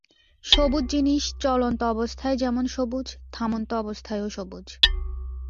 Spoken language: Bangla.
সবুজ জিনিস, চলন্ত অবস্থায় যেমন সবুজ, থামন্ত অবস্থায়ও সবুজ।